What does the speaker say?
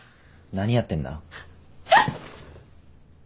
何やってんだ？